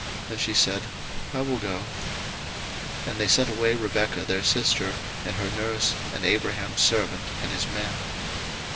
And she said, I will go. 01:024:059 And they sent away Rebekah their sister, and her nurse, and Abraham's servant, and his men.